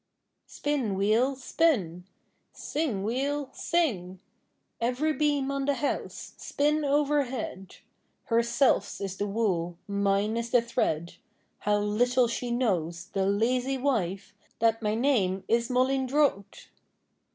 Spin, wheel, spin; sing, wheel, sing; Every beam on the house, spin overhead. Herself's is the wool, mine is the thread, How little she knows, the lazy wife, That my name is Mollyndroat!